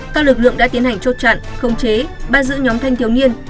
các lực lượng đã tiến hành chốt chặn khống chế bắt giữ nhóm thanh thiếu niên